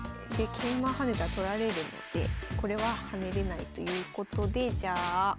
桂馬跳ねたら取られるのでこれは跳ねれないということでじゃあ